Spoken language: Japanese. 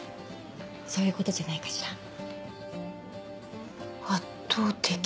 そういうことじゃないかしら？